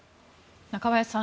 中林さん